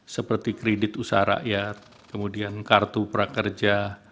seperti kredit usaha rakyat kemudian kartu prakerja